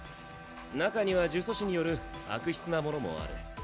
なかには呪詛師による悪質な事案もある。